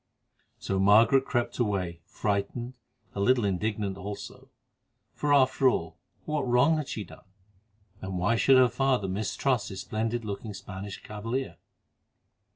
So Margaret crept away frightened, a little indignant also, for after all, what wrong had she done? And why should her father mistrust this splendid looking Spanish cavalier?